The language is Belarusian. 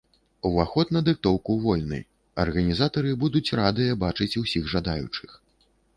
Уваход на дыктоўку вольны, арганізатары будуць радыя бачыць усіх жадаючых.